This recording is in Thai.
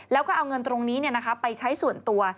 แล้วก็เอาเงินตรงนี้ไปใช้ส่วนตัว